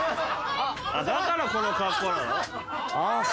あっだからこの格好なの？